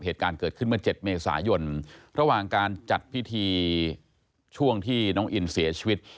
เหตุการณ์เกิดขึ้นเมื่อ๗เมษายนระหว่างการจัดพิธีช่วงที่น้องอินเสียชีวิต